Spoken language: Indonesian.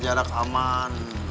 jaga jarak aman